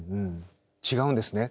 違うんですね。